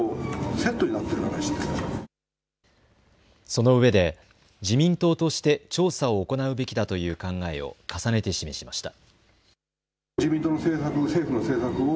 そのうえで自民党として調査を行うべきだという考えを重ねて示しました。